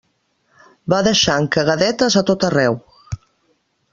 Va deixant cagadetes a tot arreu.